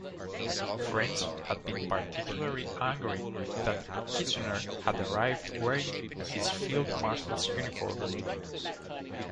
French had been particularly angry that Kitchener had arrived wearing his Field Marshal's uniform.